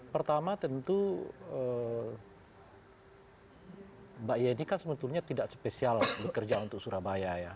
pertama tentu mbak yeni kan sebetulnya tidak spesial bekerja untuk surabaya ya